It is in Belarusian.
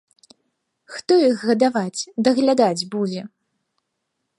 Хто іх гадаваць, даглядаць будзе?